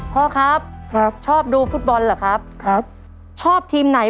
พ่อครับครับชอบดูฟุตบอลเหรอครับครับชอบทีมไหน